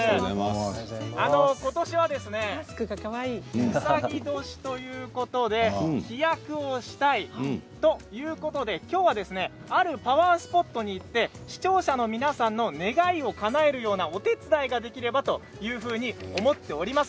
今年は、うさぎ年ということで飛躍をしたいということで今日は歩くパワースポットに行って視聴者の皆さんの願いをかなえるようなお手伝いができればというふうに思っております。